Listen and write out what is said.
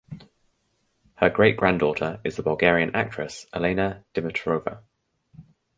Her great granddaughter is the Bulgarian actress Elena Dimitrova.